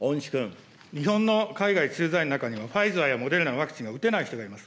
日本の海外製剤の中にはファイザーやモデルナのワクチンは打てない人がいます。